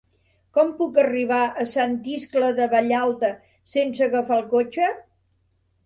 Com puc arribar a Sant Iscle de Vallalta sense agafar el cotxe?